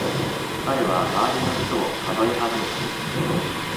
彼は周りの人を数え始めた。